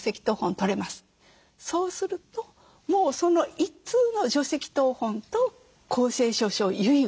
そうするともうその１通の除籍謄本と公正証書遺言